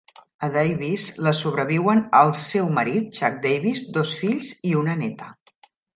A Davis la sobreviuen el seu marit, Chuck Davis, dos fills i una néta.